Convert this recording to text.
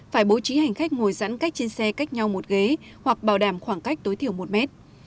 phải bố trí hành khách ngồi giãn cách trên xe cách nhau một ghế hoặc bảo đảm khoảng cách tối thiểu một mét